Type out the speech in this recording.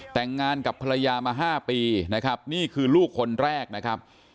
แต่งงานกับภรรยามา๕ปีนะครับนี่คือลูกคนแรกนะครับ